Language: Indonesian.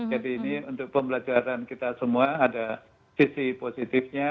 jadi ini untuk pembelajaran kita semua ada sisi positifnya